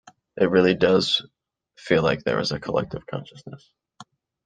It really does feel like there is a collective consciousness.